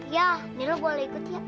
ya nila boleh ikut ya